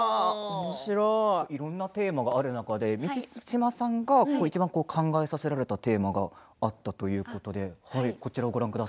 いろんなテーマがある中で満島さんがいちばん考えさせられたテーマがあったということです。